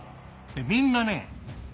みんなね